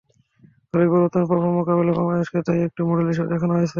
জলবায়ু পরিবর্তনের প্রভাব মোকাবিলায় বাংলাদেশকে তাই একটি মডেল হিসেবে দেখানো হয়েছে।